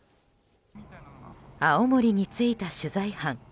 青森に着いた取材班。